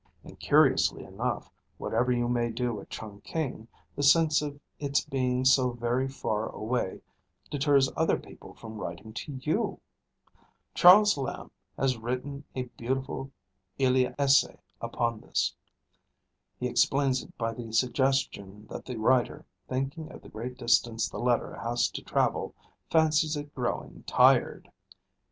And curiously enough, whatever you may do at Chungking, the sense of its being so very far away deters other people from writing to you. Charles Lamb has written a beautiful Elia essay upon this. He explains it by the suggestion that the writer, thinking of the great distance the letter has to travel, fancies it growing tired.